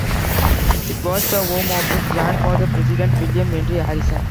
It was the home of his grandfather, President William Henry Harrison.